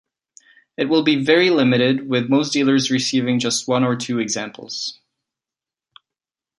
It will be very limited, with most dealers receiving just one or two examples.